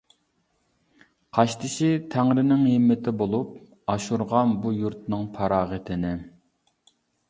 قاشتېشى تەڭرىنىڭ ھىممىتى بولۇپ، ئاشۇرغان بۇ يۇرتنىڭ پاراغىتىنى.